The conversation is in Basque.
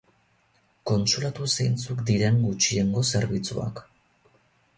Kontsulatu zeintzuk diren gutxiengo zerbitzuak.